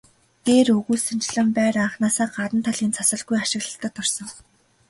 Дээр өгүүлсэнчлэн байр анхнаасаа гадна талын засалгүй ашиглалтад орсон.